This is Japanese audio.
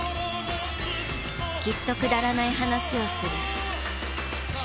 きっとくだらない話をする。